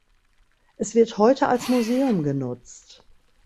Es wird heute als Museum genutzt.